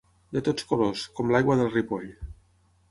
De tots colors, com l'aigua del Ripoll.